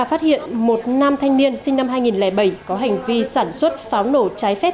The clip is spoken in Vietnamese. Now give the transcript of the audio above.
phát hiện một nam thanh niên sinh năm hai nghìn bảy có hành vi sản xuất pháo nổ trái phép